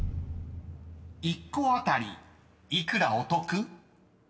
［１個当たり幾らお得？］